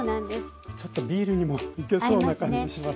ちょっとビールにもいけそうな感じします。